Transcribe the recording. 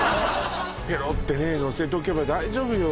ペロってねのせとけば大丈夫よ